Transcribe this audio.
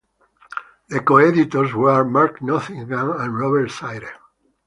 The co-editors were Mark Nottingham and Robert Sayre.